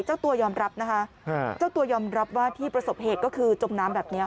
เจ้าตัวยอมรับนะคะเจ้าตัวยอมรับว่าที่ประสบเหตุก็คือจมน้ำแบบนี้